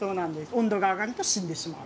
温度が上がると死んでしまう。